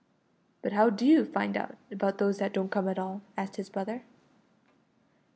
"But how d'you find out about those that don't come at all?" asked his brother.